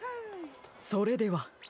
それでは。